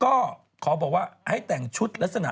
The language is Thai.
ก็ขอบอกว่าให้แต่งชุดลักษณะ